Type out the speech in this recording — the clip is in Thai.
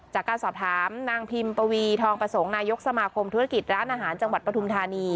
จากการสอบถามนางพิมปวีทองประสงค์นายกสมาคมธุรกิจร้านอาหารจังหวัดปฐุมธานี